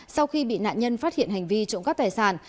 sau khi bị nạn nhân phát hiện hành vi trộm cắp tài sản